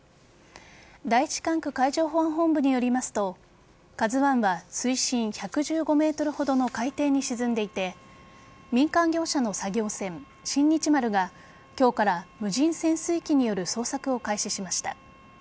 第１管区海上保安本部によりますと「ＫＡＺＵ１」は水深１１５ｍほどの海底に沈んでいて民間業者の作業船「新日丸」が今日から無人潜水機による捜索を開始しました。